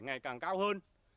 ngày càng cao hơn